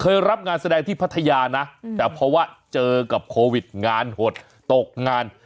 รับงานแสดงที่พัทยานะแต่เพราะว่าเจอกับโควิดงานหดตกงาน